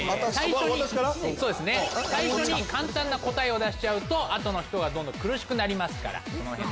最初に簡単な答えを出しちゃうとあとの人がどんどん苦しくなりますから。